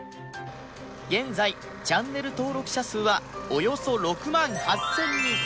現在チャンネル登録者数はおよそ６万８０００人！